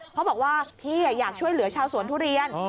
เขาบอกว่าพี่อยากช่วยเหลือชาวสวนทุเรียน